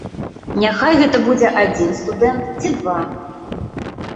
Няхай гэта будзе адзін студэнт ці два!